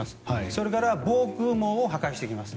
それから防空網を破壊していきます。